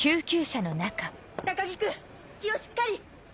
高木君気をしっかり！